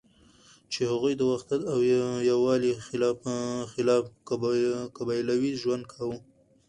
چی هغوی د وحدت او یوالی خلاف قبیلوی ژوند کاوه